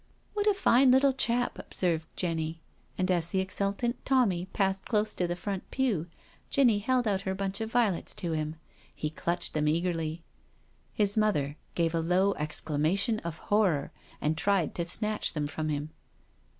" What a fine little chap I ^' observed Jenny. And as the exultant Tommy passed close to the front pew Jenny held out her bunch of violets to him. He clutched them eagerly. His mother gave a low exclamation of horror and tried to snatch them from him.